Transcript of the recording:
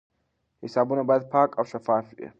حسابونه باید پاک او شفاف وي.